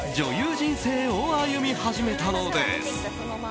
人生を歩み始めたのです。